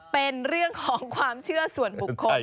เป็นเรื่องของความเชื่อส่วนบุคคล